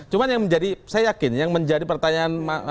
cuma yang menjadi saya yakin yang menjadi pertanyaan